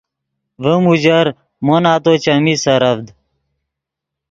ڤیم اوژر مو نتو چیمی سرڤد